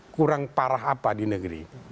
kurang parah apa di negeri